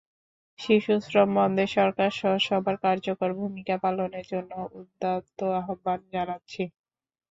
শিশুশ্রম বন্ধে সরকারসহ সবার কার্যকর ভূমিকা পালনের জন্য উদাত্ত আহ্বান জানাচ্ছি।